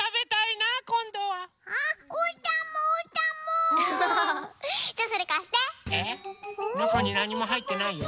なかになにもはいってないよ。